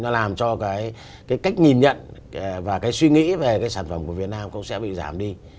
nó làm cho cái cách nhìn nhận và cái suy nghĩ về cái sản phẩm của việt nam cũng sẽ bị giảm đi